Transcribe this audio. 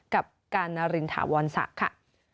กับการณรินธาวรศักดิ์